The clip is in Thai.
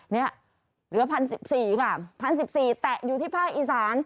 เนี่ยเหลือ๑๐๑๔ค่ะ๑๐๑๔แตะอยู่ที่ภาคอีสาน